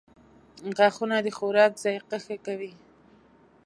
• غاښونه د خوراک ذایقه ښه کوي.